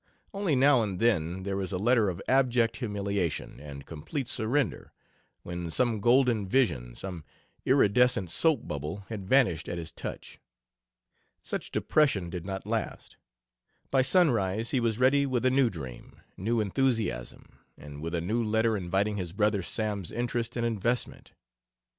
Only, now and then, there is a letter of abject humiliation and complete surrender, when some golden vision, some iridescent soap bubble, had vanished at his touch. Such depression did not last; by sunrise he was ready with a new dream, new enthusiasm, and with a new letter inviting his "brother Sam's" interest and investment.